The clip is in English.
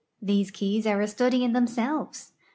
'I'hese keys are a study in themselves.